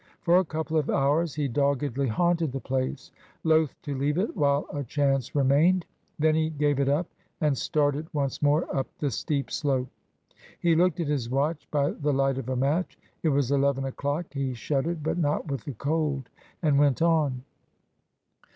For a couple of hours he doggedly haunted the place, loth to leave it while a chance remained. Then he gave it up, and started once more up the steep slope. He looked at his watch by the light of a match. It was eleven o'clock. He shuddered, but not with the cold, and went on.